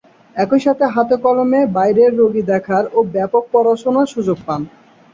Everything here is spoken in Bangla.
একই সাথে হাতে কলমে বাইরের রোগী দেখার ও ব্যাপক পড়াশুনার সুযোগ পান।